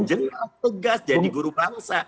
jelas tegas jadi guru bangsa